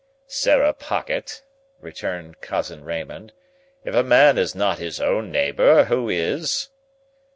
"Sarah Pocket," returned Cousin Raymond, "if a man is not his own neighbour, who is?"